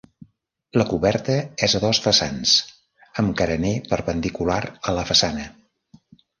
La coberta és a dos vessants amb carener perpendicular a la façana.